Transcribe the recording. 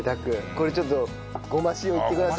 これちょっとごま塩いってください。